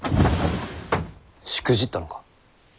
しくじったのか。